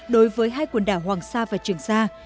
đối với hai quần đảo hoàng sa và trường sa